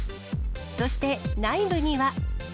そして、内部には。